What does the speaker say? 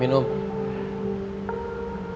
jangan cakap sama aku